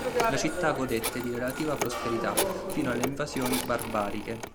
La città godette di relativa prosperità fino alle invasioni barbariche.